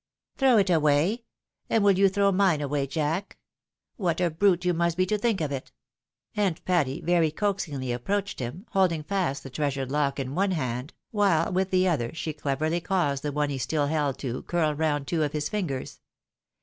" Throw it away ! And will you throw mine away, Jack ? What a brute you must be to think of it !" And Patty very coajdngly approached him, holding fast the treasured lock in one hand, while with the other she cleverly caused the one he still held to curl roimd two of his fingers.